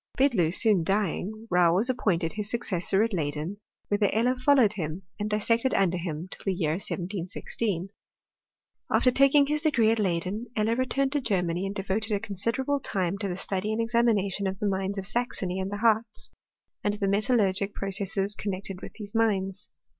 Bidloo soon dying, Rau was appointed his successor at Leyden, whitheir Eiier followed him, and dissected under him till the year 1716. After taking his degree at Leyd^n, Eller returned to Germany, and devoted a considerably timQ to the study and examination of the mines of 8axony and the Hartz, and of the metalluigic pro r cesses connected with these mines.